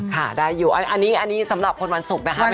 ค่ะได้อยู่อันนี้สำหรับคนวันศุกร์นะคะ